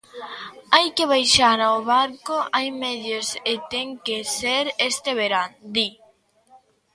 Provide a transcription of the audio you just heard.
Hai que baixar ao barco, hai medios e ten que ser este verán, di.